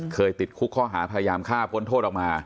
ติดคุกข้อหาพยายามฆ่าพ้นโทษออกมา